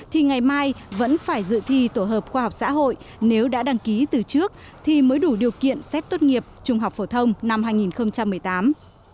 thì ngày mai vẫn phải dự thi tổ hợp khoa học xã hội nếu đã đăng ký từ trước thì mới đủ điều kiện xét tốt nghiệp trung học phổ thông năm hai nghìn một mươi tám